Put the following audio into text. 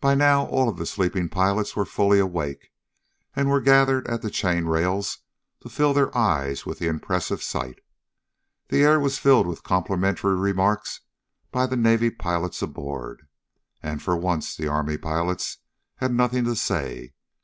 By now all of the sleeping pilots were fully awake, and were gathered at the chain rails to fill their eyes with the impressive sight. The air was filled with complimentary remarks by the Navy pilots aboard. And for once the Army pilots had nothing to say.